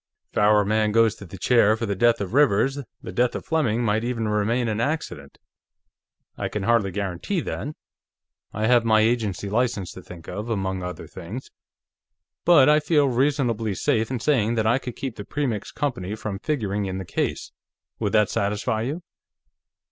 If our man goes to the chair for the death of Rivers, the death of Fleming might even remain an accident. I can hardly guarantee that; I have my agency license to think of, among other things. But I feel reasonably safe in saying that I could keep the Premix Company from figuring in the case. Would that satisfy you?"